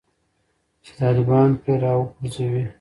چې طالبان پرې راوپرځوي